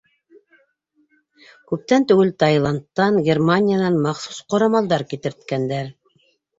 Күптән түгел Таиландтан, Германиянан махсус ҡорамалдар килтерткәндәр.